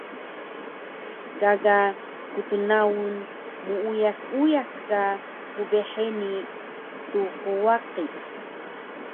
Gaga ktnaun muuyas uyas ka qbheni tqwaqic